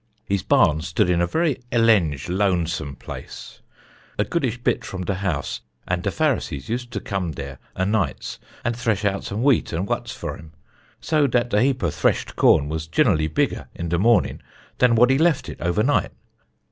His barn stood in a very elenge lonesome place, a goodish bit from de house, and de Pharisees used to come dere a nights and thresh out some wheat and wuts for him, so dat de hep o' threshed corn was ginnerly bigger in de morning dan what he left it overnight.